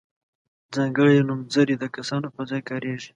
ځانګړي نومځري د کسانو پر ځای کاریږي.